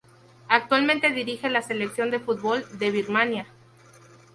Actualmente dirige la selección de fútbol de Birmania.